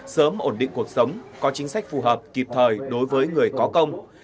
sớm ổn định cuộc sống có chính sách phù hợp kịp thời đối với người có công